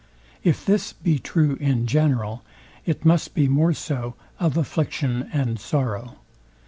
If this be true in general, it must be more so of affliction and sorrow.